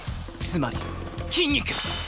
つまり筋肉！